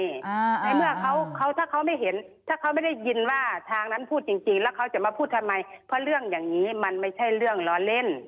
ในเมื่อเขาเขาถ้าเขาไม่เห็นถ้าเขาไม่ได้ยินว่าทางนั้นพูดจริงจริงแล้วเขาจะมาพูดทำไมเพราะเรื่องอย่างนี้มันไม่ใช่เรื่องล้อเล่น